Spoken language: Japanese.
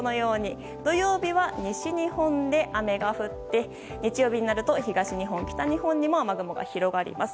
土曜日は西日本で雨が降って日曜になると東日本、北日本で雨雲が広がります。